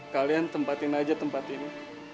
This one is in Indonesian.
kalian tempatin aja tempat ini